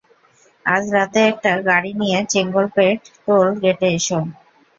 আজ রাতে একটা গাড়ি নিয়ে চেঙ্গলপেট টোল গেটে এসো।